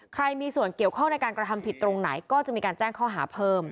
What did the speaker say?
ใครมีส่วนเกี่ยวข้องในการกระทำผิดตรงไหนก็จะมีการแจ้งข้อหาเพิ่ม